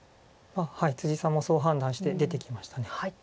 さんもそう判断して出てきました。